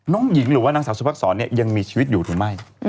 น้องหญิงหรือว่านางสาวสุภักษรเนี่ยยังมีชีวิตอยู่หรือไม่